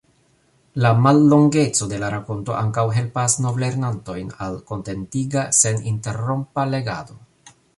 La mallongeco de la rakonto ankaŭ helpas novlernantojn al kontentiga, seninterrompa legado.